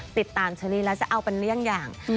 ติดตามเชอรี่แล้วจะเอาเป็นเลี่ยงอย่าง